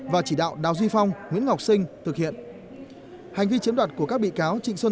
và chỉ đạo đào duy phong nguyễn ngọc sinh thực hiện hành vi chiếm đoạt của các bị cáo trịnh xuân